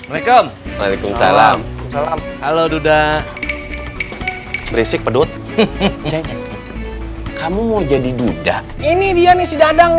waalaikumsalam halo duda berisik pedut kamu mau jadi duda ini dia nih si dadang